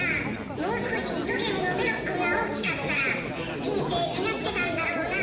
もう少しゾゲムのメロックが大きかったら人生違ってたんだろうなあ。